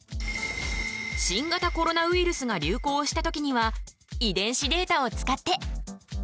新型コロナウイルスが流行した時には遺伝子データを使って。